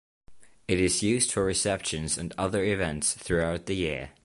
It is used for receptions and other events throughout the year.